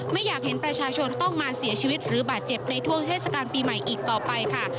ไม่อยากเห็นประชาชนต้องมาเสียชีวิตหรือบาดเจ็บในช่วงเทศกาลปีใหม่อีกต่อไปค่ะ